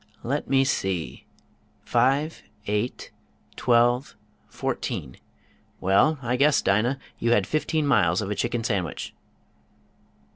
"Let me see! Five, eight, twelve, fourteen: well, I guess Dinah, you had fifteen miles of a chicken sandwich."